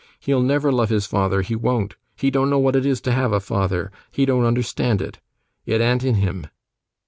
He'll never love his father, he won't. He don't know what it is to have a father. He don't understand it. It an't in him.